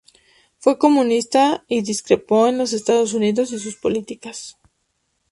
Fue comunista y discrepó con los Estados Unidos y sus políticas.